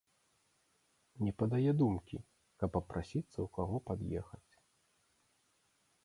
Не падае думкі, каб папрасіцца ў каго пад'ехаць.